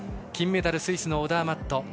金メダル、スイスのオダーマット。